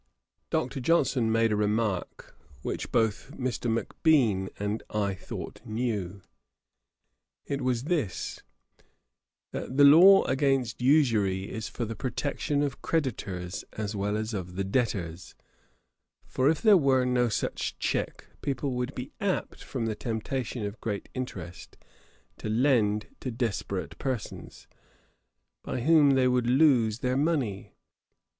Dr. Johnson made a remark, which both Mr. Macbean and I thought new. It was this: that 'the law against usury is for the protection of creditors as well as of debtors; for if there were no such check, people would be apt, from the temptation of great interest, to lend to desperate persons, by whom they would lose their money.